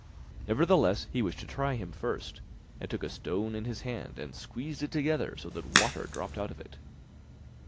Nevertheless, he wished to try him first, and took a stone in his hand and squeezed it together so that water dropped out of it.